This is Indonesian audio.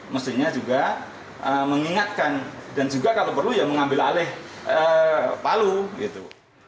mestinya juga mengingatkan dan juga kalau perlu ya mengambil alih palu gitu